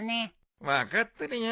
分かってるよ。